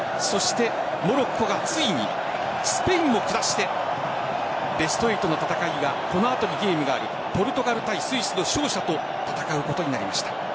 モロッコがついにスペインを下してベスト８の戦いはこの後にゲームがあるポルトガル対スイスの勝者と戦うことになりました。